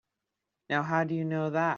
Now how'd you know that?